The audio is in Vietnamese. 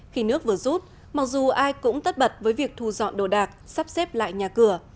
khi nước vừa rút mặc dù ai cũng tất bật với việc thu dọn đồ đạc sắp xếp lại nhà cửa